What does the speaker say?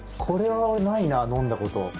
これはないな飲んだこと。